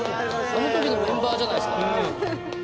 あの時のメンバーじゃないすか？